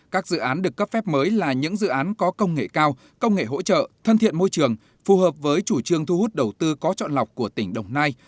các dự án được cấp phép mới là những dự án có công nghệ cao công nghệ hỗ trợ thân thiện môi trường phù hợp với chủ trương thu hút đầu tư có chọn lọc của tỉnh đồng nai